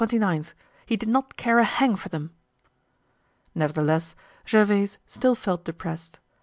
He did not care a hang for them! Nevertheless, Gervaise still felt depressed.